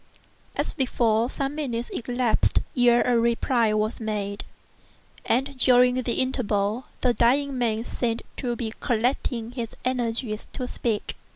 As before, some minutes elapsed ere a reply was made; and during the interval the dying man seemed to be collecting his energies to speak.